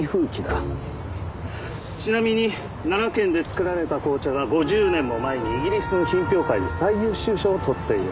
ちなみに奈良県で作られた紅茶が５０年も前にイギリスの品評会で最優秀賞を取っている。